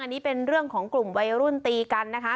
อันนี้เป็นเรื่องของกลุ่มวัยรุ่นตีกันนะคะ